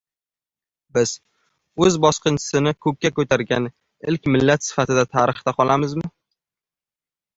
Biz o‘z bosqinchisini ko‘kka ko‘targan ilk millat sifatida tarixda qolamizmi?